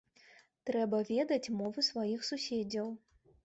Трэба ведаць мовы сваіх суседзяў.